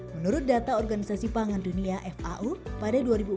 menurut data organisasi pangan dunia fau pada dua ribu empat belas